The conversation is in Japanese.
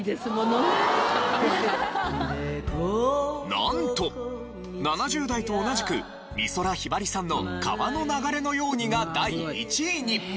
なんと７０代と同じく美空ひばりさんの『川の流れのように』が第１位に。